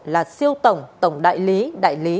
là siêu tổng tổng đại lý đại lý